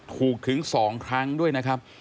ถึง๒ครั้งด้วยนะครับ